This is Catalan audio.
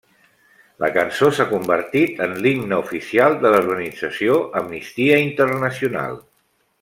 La cançó s'ha convertit en l'himne oficial de l'organització Amnistia Internacional.